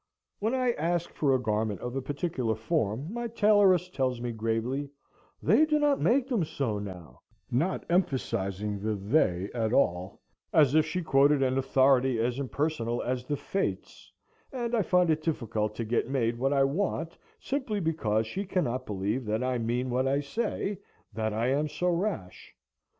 When I ask for a garment of a particular form, my tailoress tells me gravely, "They do not make them so now," not emphasizing the "They" at all, as if she quoted an authority as impersonal as the Fates, and I find it difficult to get made what I want, simply because she cannot believe that I mean what I say, that I am so rash.